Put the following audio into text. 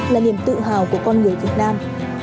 là niềm tự hào của con người việt nam